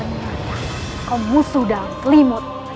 ternyata kau musuh dalam kelimut